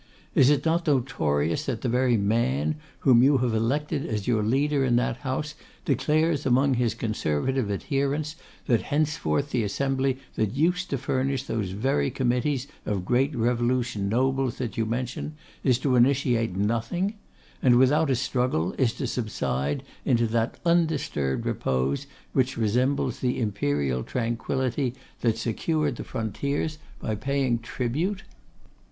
Is it not notorious that the very man whom you have elected as your leader in that House, declares among his Conservative adherents, that henceforth the assembly that used to furnish those very Committees of great revolution nobles that you mention, is to initiate nothing; and, without a struggle, is to subside into that undisturbed repose which resembles the Imperial tranquillity that secured the frontiers by paying tribute?